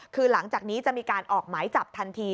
คือหลังจากนี้จะมีการออกหมายจับทันที